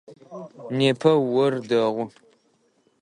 Непэ ор дэгъу.